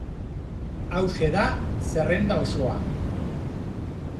Hauxe da zerrenda osoa.